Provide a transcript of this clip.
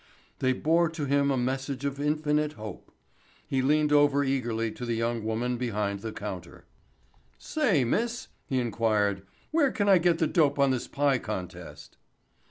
They bore to him a message of infinite hope. He leaned over eagerly to the young woman behind the counter. "Say, miss," he inquired. "Where can I get the dope on this pie contest?"